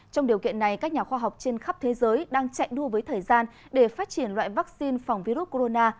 trong điều kiện này các nhà khoa học trên khắp thế giới đang chạy đua với thời gian để phát triển loại vaccine phòng virus corona